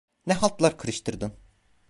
Ne haltlar karıştırdın?